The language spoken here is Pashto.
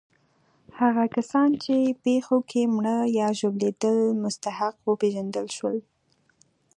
هغه کسان چې په پېښو کې مړه یا ژوبلېدل مستحق وپېژندل شول.